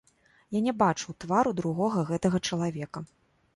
Я не бачыў твару другога гэтага чалавека.